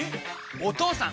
お義父さん！